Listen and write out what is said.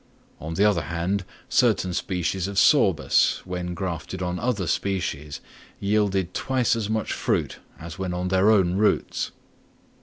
On the other hand, certain species of Sorbus, when grafted on other species, yielded twice as much fruit as when on their own roots.